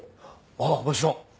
ああもちろん。